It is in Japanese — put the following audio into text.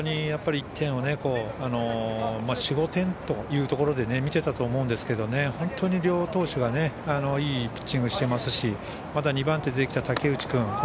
４、５点というところで見ていたと思うんですけど両投手がいいピッチングをしていますしまた２番手で出てきた武内君。